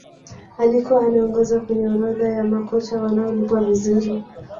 alikuwa anaongoza kwenye orodha ya makocha wanaolipwa vizuri